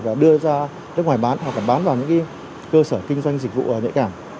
và đưa ra nước ngoài bán hoặc là bán vào những cơ sở kinh doanh dịch vụ nhạy cảm